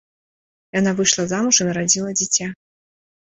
Яна выйшла замуж і нарадзіла дзіця.